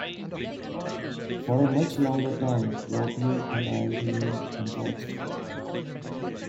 For a much longer time Lop-Ear and I remained and watched.